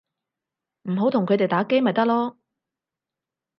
唔好同佢哋打機咪得囉